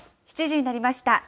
７時になりました。